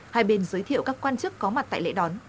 hai bên giới thiệu các quan chức có mặt tại lễ đón